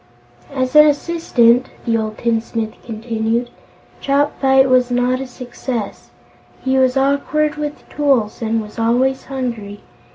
"As an assistant," the old tinsmith continued, "Chopfyt was not a success. He was awkward with tools and was always hungry.